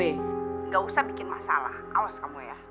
enggak usah bikin masalah awas kamu ya